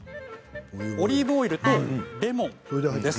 オリーブオイルとレモンです。